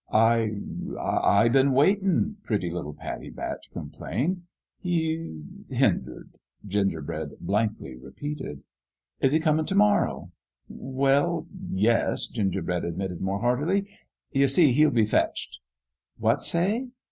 "I I I been waitiri," pretty little Pattie Batch complained. " He's hindered," Gingerbread blankly re peated. 22 An ENGAGEMENT WITH GOD "Is he comin' t' morrow?" "Well, yes/' Gingerbread admitted, more heartily; "you see, he'll be fetched" "What say?"